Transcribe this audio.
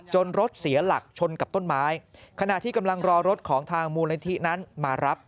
รถเสียหลักชนกับต้นไม้ขณะที่กำลังรอรถของทางมูลนิธินั้นมารับ